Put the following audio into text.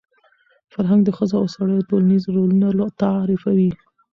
فرهنګ د ښځو او سړیو ټولنیز رولونه تعریفوي.